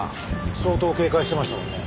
相当警戒してましたもんね。